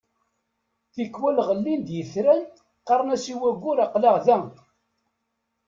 Tikwal ɣellin-d yitran qqaren as i waggur aql-aɣ da.